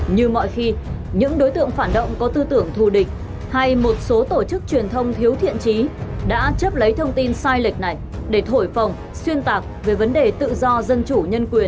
như mọi khi những đối tượng phản động có tư tưởng thù địch hay một số tổ chức truyền thông thiếu thiện trí đã chấp lấy thông tin sai lệch này để thổi phòng xuyên tạc về vấn đề tự do dân chủ nhân quyền